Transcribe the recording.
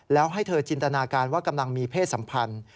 แล้วให้เธอจินตนาการว่ากำลังมีเพศสัมพันธ์